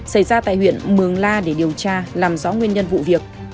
xảy ra tại huyện mường la để điều tra làm rõ nguyên nhân vụ việc